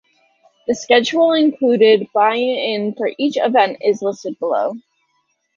The schedule including buy in for each event is listed below.